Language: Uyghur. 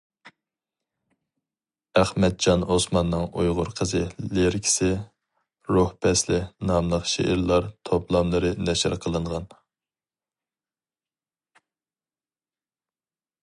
ئەخمەتجان ئوسماننىڭ «ئۇيغۇر قىزى لىرىكىسى» ، «روھ پەسلى» ناملىق شېئىرلار توپلاملىرى نەشر قىلىنغان.